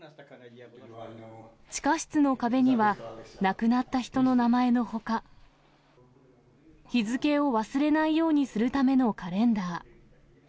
地下室の壁には、亡くなった人の名前のほか、日付を忘れないようにするためのカレンダー。